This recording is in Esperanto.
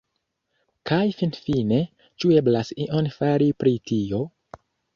Kaj finfine, ĉu eblas ion fari pri tio?